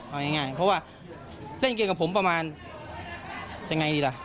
เพราะว่าเล่นเกมกับผมประมาณจะไงดีล่ะ